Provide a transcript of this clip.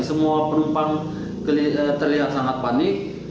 semua penumpang terlihat sangat panik